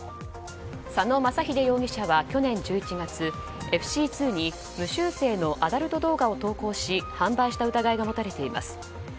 佐野公英容疑者は去年１１月ＦＣ２に無修正のアダルト動画を投稿し販売した疑いが持たれています。